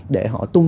để họ tôn trọng